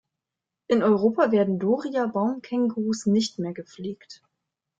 In Europa werden Doria-Baumkängurus nicht mehr gepflegt.